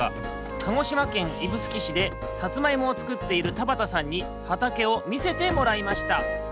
鹿児島県指宿市でさつまいもをつくっている田畑さんにはたけをみせてもらいました